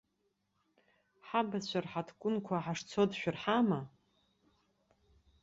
Ҳабацәа рҳаҭгәынқәа ҳашцо дшәырҳама?